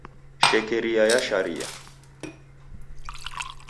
Shekeria ya sharia.